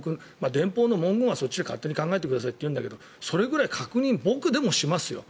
電報の文言はそっちで勝手に考えてくださいというんだけどそれぐらい確認を僕でもしますよ。